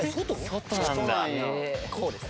こうですね。